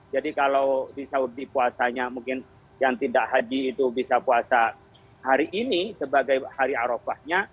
jadi kalau di saudi puasanya mungkin yang tidak haji itu bisa puasa hari ini sebagai hari arafahnya